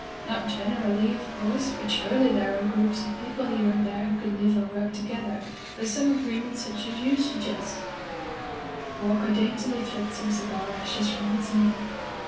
"Not generally, of course, but surely there are groups of people here and there who could live and work together by some agreement such as you suggest/' Walker daintily flicked some cigar ashes from his knee.